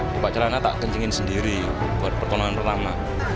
bapak celana tak kencingin sendiri buat perlulangan pertama